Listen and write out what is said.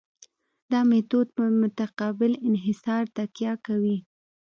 دا میتود په متقابل انحصار تکیه کوي